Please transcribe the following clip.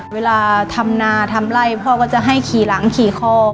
เวลาทำนาทำไล่พ่อก็จะให้ขี่หลังขี่คอ